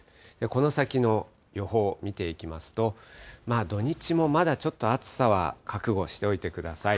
この先の予報見ていきますと、土日もまだちょっと暑さは覚悟しておいてください。